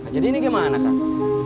jadi ini gimana kang